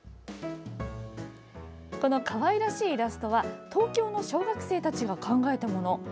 このかわいらしいイラストは東京の小学生たちが考えたもの。